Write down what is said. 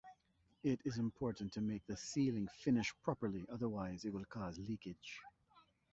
It is important to make the sealing finish properly otherwise it will cause leakage.